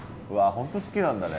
本当好きなんだね。